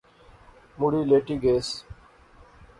مڑی لیٹی گیس